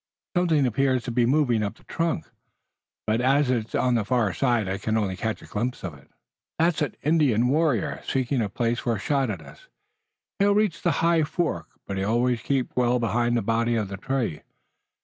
"Something appears to be moving up the trunk, but as it's on the far side, I catch only a glimpse of it." "That's an Indian warrior, seeking a place for a shot at us. He'll reach the high fork, but he'll always keep well behind the body of the tree.